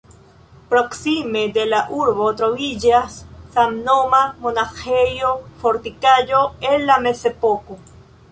Proksime de la urbo troviĝas samnoma monaĥejo-fortikaĵo el la Mezepoko.